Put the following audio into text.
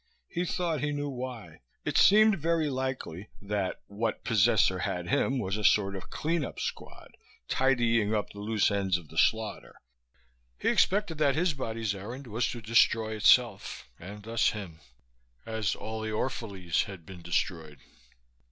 He thought he knew why. It seemed very likely that what possessor had him was a sort of clean up squad, tidying up the loose ends of the slaughter; he expected that his body's errand was to destroy itself, and thus him, as all the Orphalese had been destroyed.